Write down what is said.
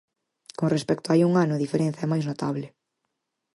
Con respecto a hai un ano, a diferenza é máis notable.